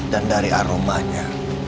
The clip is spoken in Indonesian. dan dari aromanya